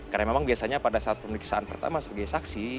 karena memang biasanya pada saat pemeriksaan pertama sebagai saksi ini